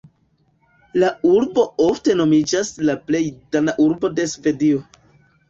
La urbo ofte nomiĝas "la plej dana urbo de Svedio".